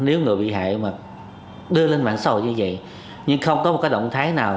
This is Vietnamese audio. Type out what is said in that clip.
nếu người bị hại mà đưa lên mảng sổ như vậy nhưng không có một cái động thái nào